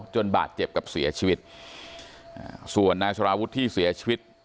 จนบาดเจ็บกับเสียชีวิตส่วนนายสารวุฒิที่เสียชีวิต